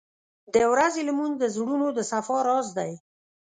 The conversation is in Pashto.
• د ورځې لمونځ د زړونو د صفا راز دی.